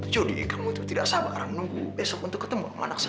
jody kamu itu tidak sabar menunggu besok untuk ketemu sama anak saya